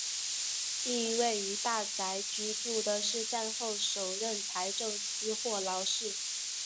第一位于大宅居住的是战后首任财政司霍劳士。